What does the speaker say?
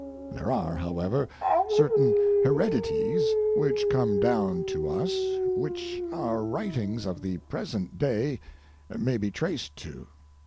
There are, however, certain heredities which come down to us which our writings of the present day may be traced to.